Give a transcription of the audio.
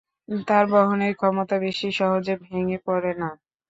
ভার বহনের ক্ষমতা বেশি, সহজে ভেঙ্গে পড়ে না।